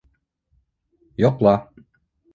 Йоҡла.